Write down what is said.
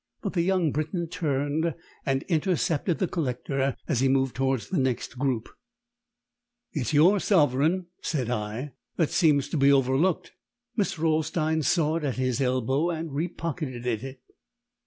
But the young Briton turned and intercepted the collector as he moved towards the next group. "It's your sovereign," said I, "that seems to be overlooked." Mr. Olstein saw it at his elbow and re pocketed it.